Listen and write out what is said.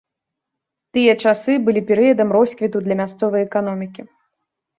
Тыя часы былі перыядам росквіту для мясцовай эканомікі.